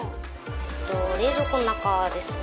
冷蔵庫の中ですね。